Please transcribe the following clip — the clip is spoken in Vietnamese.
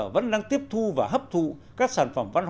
vẫn đang tiếp thu và hấp thụ các sản phẩm văn hóa